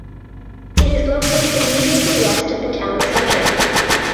It is located immediately west of the town centre.